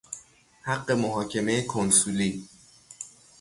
حق محاکمه کنسولی